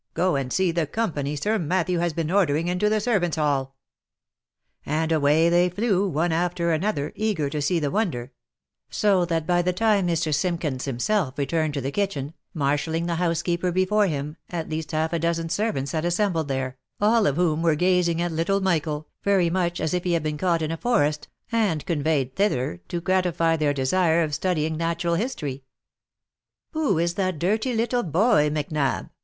go and see the company Sir Matthew has been ordering into the servants' hall !" And away they flew, one after another, eager to see the wonder ; so that by the time Mr. Simkins himself returned to the kitchen, marshalling the housekeeper before him, at least half a dozen ser vants had assembled there, all of whom w r ere gazing at little Michael, very much as if he had been caught in a forest, and con veyed thither to gratify their desire of studying natural history. " Who is that dirty little boy, Macnab